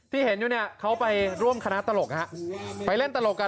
ที่เห็นอยู่เนี่ยเขาไปร่วมคณะตลกไปเล่นตลกกัน